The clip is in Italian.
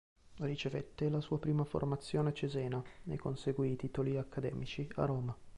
Ricevette la sua prima formazione a Cesena e conseguì i titoli accademici a Roma.